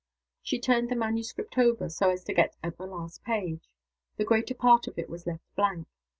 She turned the manuscript over, so as to get at the last page. The greater part of it was left blank.